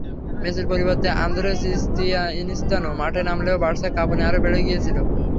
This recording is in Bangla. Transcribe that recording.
মেসির পরিবর্তে আন্দ্রেস ইনিয়েস্তা মাঠে নামলেও বার্সার কাঁপুনি আরও বেড়ে গিয়েছিল।